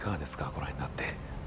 ご覧になって。